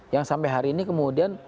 yang sampai hari ini kemudian